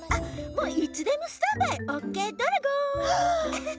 もういつでもスタンバイオッケードラゴン。